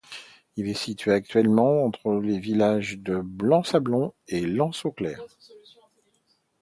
Il est situé exactement entre les villages de Blanc-Sablon et de L'Anse-au-Clair.